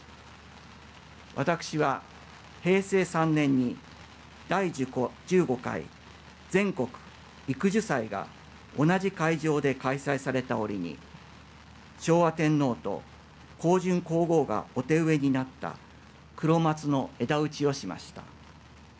私は、平成３年に「第１５回全国育樹祭」が同じ会場で開催された折に昭和天皇と香淳皇后がお手植えになったクロマツの枝打ちをしました。